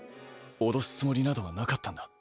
脅すつもりなどはなかったんだ。